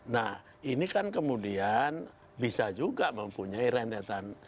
nah ini kan kemudian bisa juga mempunyai rentetan